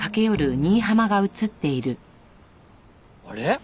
あれ？